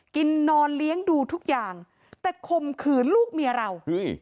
กินนอนเลี้ยงดูทุกอย่างแต่ข่มขืนลูกเมียเรา